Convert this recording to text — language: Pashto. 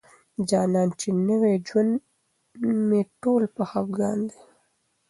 جانان چې نوي ژوند مي ټوله په خفګان دی